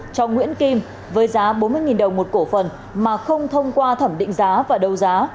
cho nguyễn kim với giá bốn mươi đồng một cổ phần mà không thông qua thẩm định giá và đấu giá